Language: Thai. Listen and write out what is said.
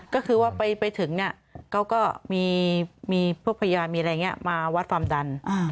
ก็คือว่าไปถึงเขาก็มีพวกพยาบาลมาวัดความดัน